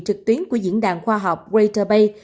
trực tuyến của diễn đàn khoa học greater bay